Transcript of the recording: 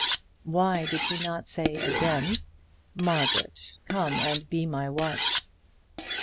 Why did he not again say, "Margaret, come and be my wife?"